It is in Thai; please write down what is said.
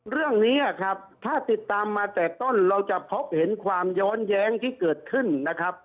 เรื่องนี้ครับถ้าติดตามมาแต่ต้นเราจะพบเห็นความย้อนแย้งที่เกิดขึ้นนะครับ